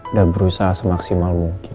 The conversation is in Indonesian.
udah berusaha semaksimal mungkin